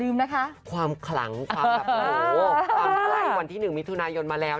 อย่าลืมนะคะ